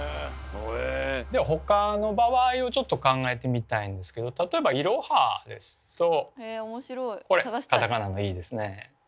では他の場合をちょっと考えてみたいんですけど例えばイロハですとこれカタカナの「イ」ですね。